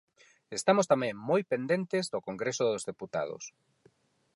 Estamos tamén moi pendentes do Congreso dos Deputados.